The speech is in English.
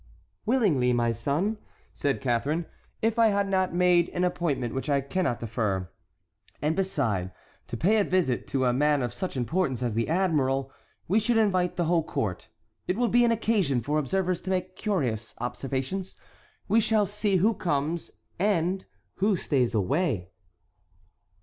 "Willingly, my son," said Catharine, "if I had not made an appointment which I cannot defer; and beside, to pay a visit to a man of such importance as the admiral, we should invite the whole court. It will be an occasion for observers to make curious observations. We shall see who comes and who stays away."